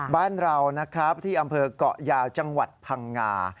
บ้านเรานะครับที่อำเภอกเกาะยาวจังหวัดพังงา